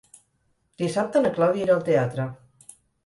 Dissabte na Clàudia irà al teatre.